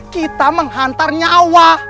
kita menghantar nyawa